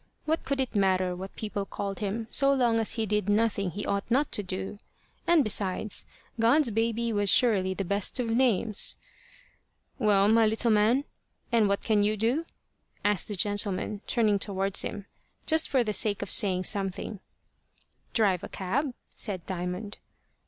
What could it matter what people called him, so long as he did nothing he ought not to do? And, besides, God's baby was surely the best of names! "Well, my little man, and what can you do?" asked the gentleman, turning towards him just for the sake of saying something. "Drive a cab," said Diamond.